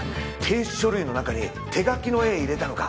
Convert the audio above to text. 提出書類の中に手描きの絵入れたのか？